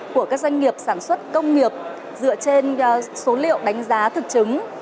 của các doanh nghiệp sản xuất công nghiệp dựa trên số liệu đánh giá thực chứng